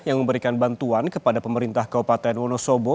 yang memberikan bantuan kepada pemerintah kabupaten wonosobo